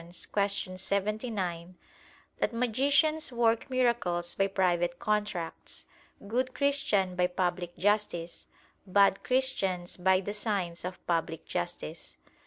79) that "magicians work miracles by private contracts; good Christians by public justice, bad Christians by the signs of public justice."